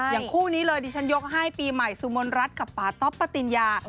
คู่นี้เลยดิฉันยกให้ปีใหม่สุมนรัฐกับป่าต๊อปปติญญา